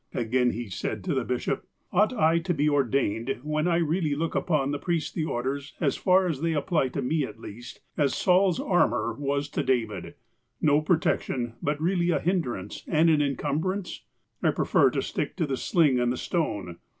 Again he said to the bishop ;" Ought I to be ordained, when I really look upon the priestly orders, as far as they apply to me at least, as Saul's armour was to David, — no protection, but really a hindrance and an incumbrance ? I prefer to stick to the sling and the stone.